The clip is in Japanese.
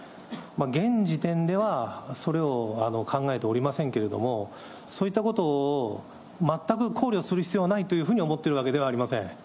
現時点では、それを考えておりませんけれども、そういったことを全く考慮する必要はないというふうに思っているわけではありません。